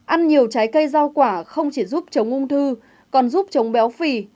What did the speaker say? ăn nhiều trái cây rau quả không chỉ giúp chống ung thư còn giúp chống béo phì